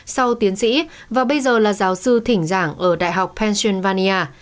sau tiến sĩ và bây giờ là giáo sư thỉnh giảng ở đại học pentilvania